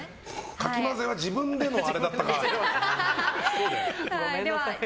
かき混ぜは自分でのあれだったか。